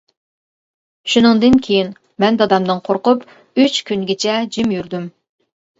شۇنىڭدىن كېيىن، مەن دادامدىن قورقۇپ ئۈچ كۈنگىچە جىم يۈردۈم.